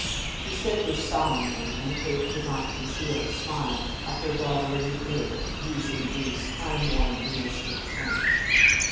She said this solemnly, and Kate could not conceal a smile at her "daughter of the air" using these time worn domestic plaints.